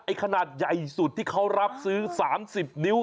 ขนาดใหญ่สุดที่เขารับซื้อ๓๐นิ้ว